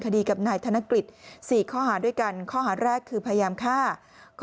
คดีกับนายธนกฤษ๔ข้อหาด้วยกันข้อหาแรกคือพยายามฆ่าก็